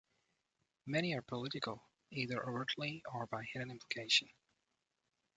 Many are political, either overtly or by hidden implication.